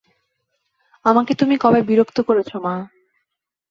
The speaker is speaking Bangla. আমাকে তুমি কবে বিরক্ত করেছ মা?